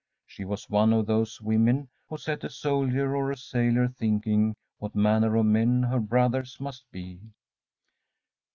She was one of those women who set a soldier or a sailor thinking what manner of men her brothers must be.